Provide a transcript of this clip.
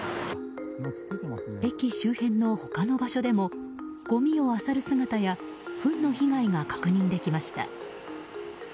駅周辺の他の場所でもごみをあさる姿やふんの被害を確認しました。